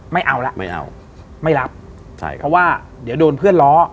ไม่เอาแล้วไม่เอาไม่รับใช่ครับเพราะว่าเดี๋ยวโดนเพื่อนล้อ